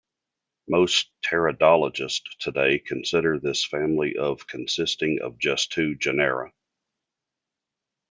Most pteridologists today consider this family of consisting of just two genera.